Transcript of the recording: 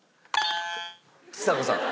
ちさ子さん。